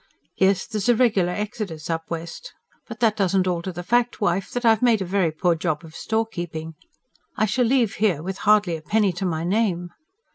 "Yes, there's a regular exodus up west. But that doesn't alter the fact, wife, that I've made a very poor job of storekeeping. I shall leave here with hardly a penny to my name."